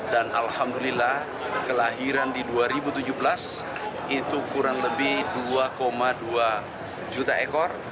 dan alhamdulillah kelahiran di dua ribu tujuh belas itu kurang lebih dua dua juta ekor